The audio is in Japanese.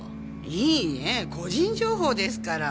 いいえ個人情報ですから。